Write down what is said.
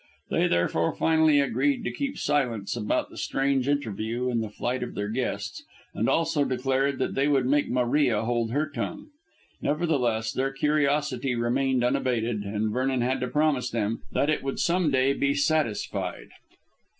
They therefore finally agreed to keep silence about the strange interview and the flight of their guests, and also declared that they would make Maria hold her tongue. Nevertheless, their curiosity remained unabated, and Vernon had to promise them that it would some day be satisfied.